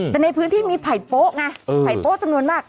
แต่ในพื้นที่มีไผ่โป๊ะไงไผ่โป๊จำนวนมาก